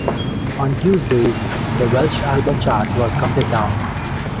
On Tuesdays, the Welsh album chart was counted down.